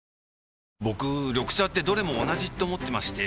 僕緑茶ってどれも同じって思ってまして